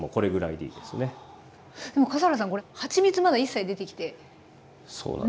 でも笠原さんこれはちみつまだ一切出てきてない。